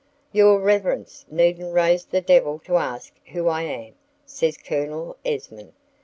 "Your reverence needn't raise the devil to ask who I am," says Colonel Esmond.